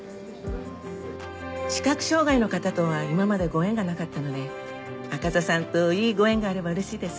視覚障がいの方とは今までご縁がなかったので赤座さんといいご縁があればうれしいです。